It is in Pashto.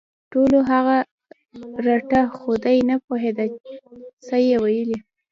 ټولو هغه رټه خو دی نه پوهېده څه یې ویلي